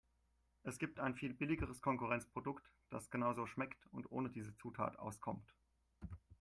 Es gibt ein viel billigeres Konkurrenzprodukt, das genauso schmeckt und ohne diese Zutat auskommt.